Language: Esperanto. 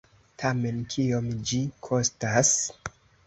Tamen, kiom ĝi kostas?